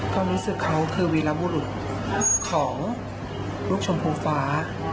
ความรู้สึกเขาคือวีรบุรุษของลูกชมพูฟ้า